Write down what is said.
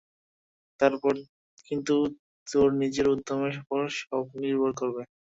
তারপর কিন্তু তোর নিজের উদ্যমের উপর সব নির্ভর করবে।